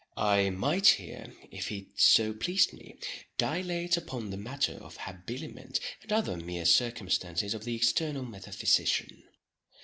I might here—if it so pleased me—dilate upon the matter of habiliment, and other mere circumstances of the external metaphysician.